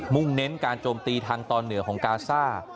่งเน้นการโจมตีทางตอนเหนือของกาซ่า